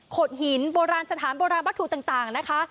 ดหินโบราณสถานโบราณวัตถุต่างนะคะ